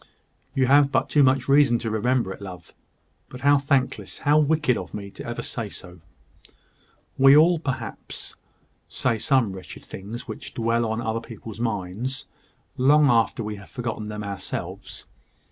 "You have but too much reason to remember it, love. But how thankless, how wicked of me ever to say so." "We all, perhaps, say some wretched things which dwell on other people's minds, long after we have forgotten them ourselves.